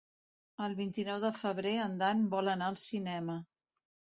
El vint-i-nou de febrer en Dan vol anar al cinema.